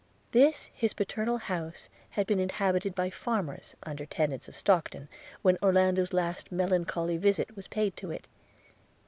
This his paternal house had been inhabited by farmers, under tenants of Stockton, when Orlando's last melancholy visit was paid to it.